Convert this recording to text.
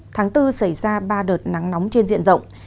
tháng bốn xảy ra ba đợt nắng nóng trên diện rộng